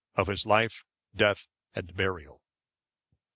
Of his life, death, and burial.